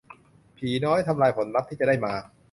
ผีน้อย ทำนายผลลัพท์ที่จะได้มา